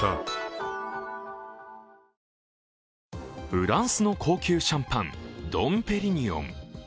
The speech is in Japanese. フランスの高級シャンパン、ドン・ペリニヨン。